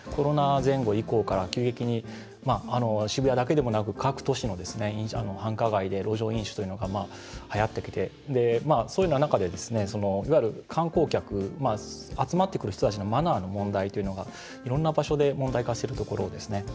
コロナ前後から急激に渋谷だけではなく各都市でも繁華街で路上飲酒が、はやってきてそういう中で観光客集まってくる人たちのマナーの問題っていうのがいろんな場所で問題化するところですね。